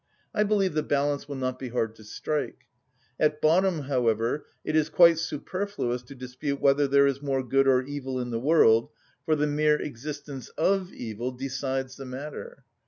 I believe the balance will not be hard to strike. At bottom, however, it is quite superfluous to dispute whether there is more good or evil in the world: for the mere existence of evil decides the matter.